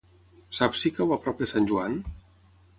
Saps si cau a prop de Sant Joan?